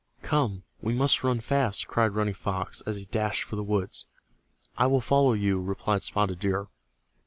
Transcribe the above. "Come, we must ran fast!" cried Running Fox, as he dashed for the woods. "I will follow you," replied Spotted Deer.